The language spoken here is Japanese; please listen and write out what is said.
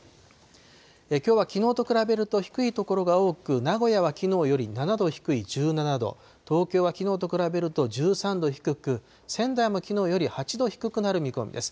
きょうはきのうと比べると低い所が多く、名古屋はきのうより７度低い１７度、東京はきのうと比べると１３度低く、仙台もきのうより８度低くなる見込みです。